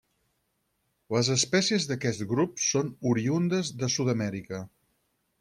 Les espècies d'aquest grup són oriündes de Sud-amèrica.